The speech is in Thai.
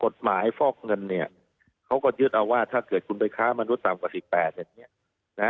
กฎหมายฟอกเงินเนี่ยเขาก็ยึดเอาว่าถ้าเกิดคุณไปค้ามนุษย์ต่ำกว่า๑๘อย่างนี้นะ